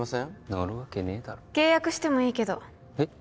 乗るわけねえだろ契約してもいいけどえっ？